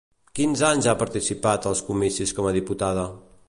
Quins anys ha participat als comicis com a diputada?